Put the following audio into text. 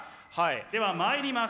ではまいります。